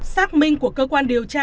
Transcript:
xác minh của cơ quan điều tra